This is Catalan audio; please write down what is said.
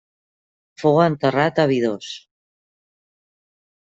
Fou enterrat a Abidos.